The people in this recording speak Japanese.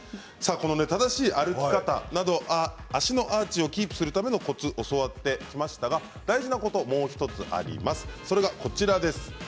正しい歩き方など足のアーチをキープするためのコツを教わってきましたが大事なことはもう１つあります。